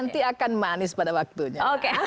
nanti akan manis pada waktunya